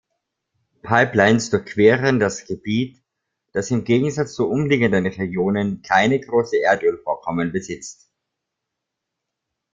Pipelines durchqueren das Gebiet, das im Gegensatz zu umliegenden Regionen keine großen Erdölvorkommen besitzt.